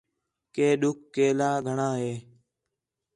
کہ ݙُکھ کیلا گھݨاں ہِے